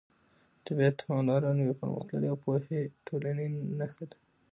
طبیعت ته پاملرنه د یوې پرمختللې او پوهې ټولنې نښه ده.